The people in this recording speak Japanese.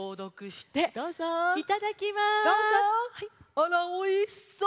あらおいしそう！